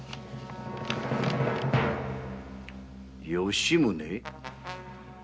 「吉宗」？